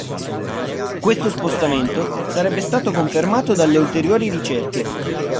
Questo spostamento sarebbe stato confermato dalle ulteriori ricerche.